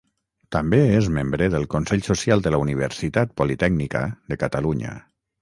També és membre del consell social de la Universitat Politècnica de Catalunya.